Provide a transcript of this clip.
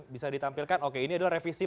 bisa ditampilkan oke ini adalah revisi